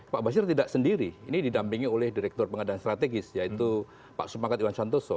pak basir tidak sendiri ini didampingi oleh direktur pengadaan strategis yaitu pak supakat iwan santoso